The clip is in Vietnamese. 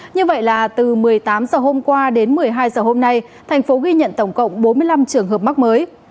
như vậy là từ một mươi tám h hôm qua đến một mươi hai h hôm nay thành phố ghi nhận tổng cộng bốn mươi năm trường hợp mắc mới